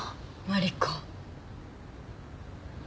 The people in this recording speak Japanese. マリコ。